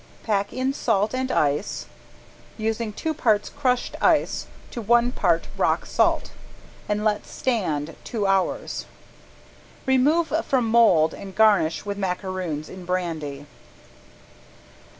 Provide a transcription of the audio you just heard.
Pack in salt and ice, using two parts crushed ice to one part rock salt and let stand two hours. Remove from mold and garnish with macaroons in brandy.